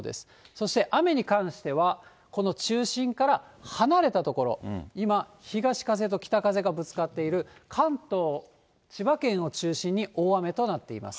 そして雨に関しては、この中心から離れた所、今、東風と北風がぶつかっている関東、千葉県を中心に大雨となっています。